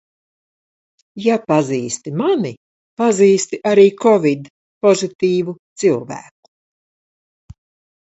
Ja pazīsti mani, pazīsti arī kovid pozitīvu cilvēku.